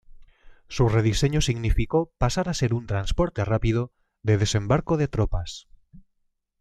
Su rediseño significó pasar a ser un transporte rápido de desembarco de tropas.